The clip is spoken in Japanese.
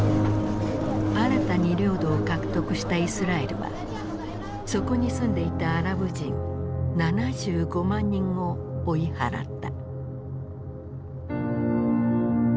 新たに領土を獲得したイスラエルはそこに住んでいたアラブ人７５万人を追い払った。